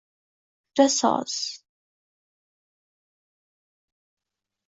Juda soz..